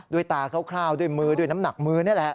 ตาคร่าวด้วยมือด้วยน้ำหนักมือนี่แหละ